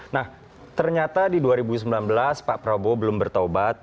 nah ternyata di dua ribu sembilan belas pak prabowo belum bertobat